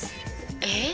えっ？